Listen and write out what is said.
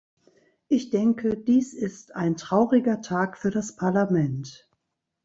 Ich denke, dies ist ein trauriger Tag für das Parlament.